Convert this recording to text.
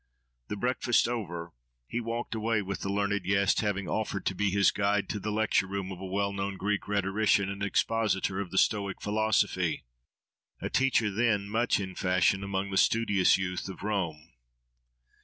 The breakfast over, he walked away with the learned guest, having offered to be his guide to the lecture room of a well known Greek rhetorician and expositor of the Stoic philosophy, a teacher then much in fashion among the studious youth of Rome.